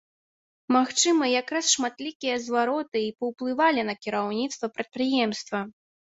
Магчыма, якраз шматлікія звароты і паўплывалі на кіраўніцтва прадпрыемства.